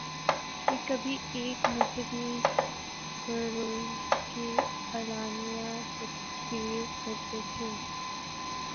یہ کبھی ایک مذہبی گروہ کی اعلانیہ تکفیر کرتے تھے۔